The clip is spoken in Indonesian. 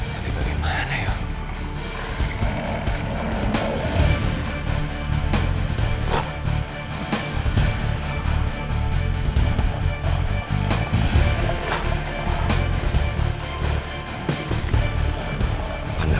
saya harus mencari jalan